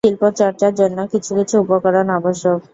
শিল্পচর্চার জন্যে কিছু কিছু উপকরণ আবশ্যক।